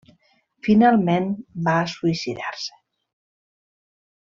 Finalment va suïcidar-se.